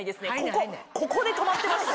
ここここで止まってました。